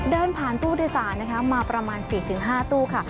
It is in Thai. เดินผ่านตู้อุตส่าห์มาประมาณ๔๕ตู้